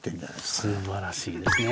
すばらしいですね。